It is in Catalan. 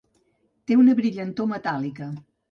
Té una brillantor metàl·lica.